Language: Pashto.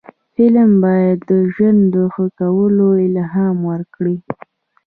فلم باید د ژوند د ښه کولو الهام ورکړي